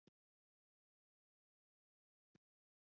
سانتیاګو د نښو لوستل زده کوي.